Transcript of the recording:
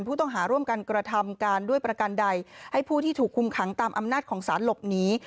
ผู้ต้องหาร่วมกันกระทำการด้วยประกันใดให้ผู้ที่ถูกคุมขังตามอำนาจของสารหลบหนี